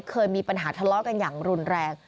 เคยมีปัญหาทะเลาะกันอย่างรุนแรง